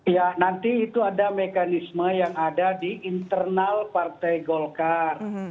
ya nanti itu ada mekanisme yang ada di internal partai golkar